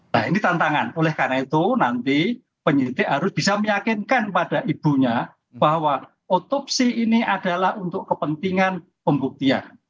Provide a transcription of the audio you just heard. nah ini tantangan oleh karena itu nanti penyidik harus bisa meyakinkan pada ibunya bahwa otopsi ini adalah untuk kepentingan pembuktian